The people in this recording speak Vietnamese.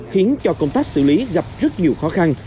khiến cho công tác xử lý gặp rất nhiều khó khăn